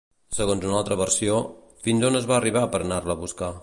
Segons una altra versió, fins on va arribar per anar-la a buscar?